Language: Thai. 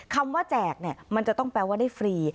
คำว่าแจกมันจะต้องแปลว่าได้ฟรี